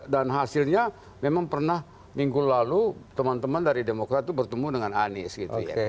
dan hasilnya memang pernah minggu lalu teman teman dari demokrat itu bertemu dengan anies gitu ya